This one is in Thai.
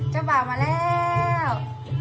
เจ้าบ่าวมาแล้ว